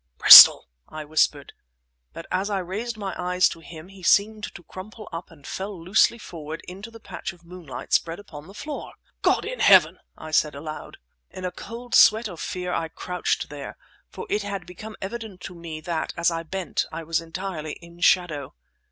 "Bristol!" I whispered. But as I raised my eyes to him he seemed to crumple up, and fell loosely forward into the patch of moonlight spread upon the floor! "God in heaven!" I said aloud. In a cold sweat of fear I crouched there, for it had become evident to me that, as I bent, I was entirely in shadow.